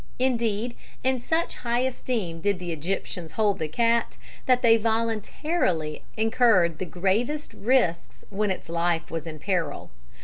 Indeed, in such high esteem did the Egyptians hold the cat, that they voluntarily incurred the gravest risks when its life was in peril.